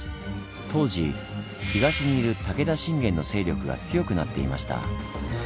当時東にいる武田信玄の勢力が強くなっていました。